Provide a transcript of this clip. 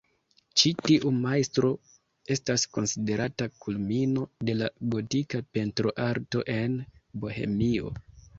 Ĉi tiu majstro estas konsiderata kulmino de la gotika pentroarto en Bohemio.